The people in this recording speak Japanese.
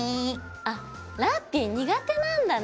あっラッピィ苦手なんだね。